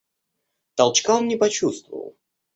Толчка он не почувствовал.